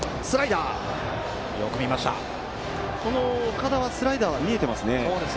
岡田はスライダーは見えていますね。